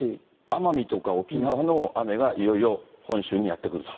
奄美とか沖縄の雨がいよいよ本州にやって来ると。